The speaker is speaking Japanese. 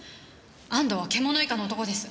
安藤は獣以下の男です。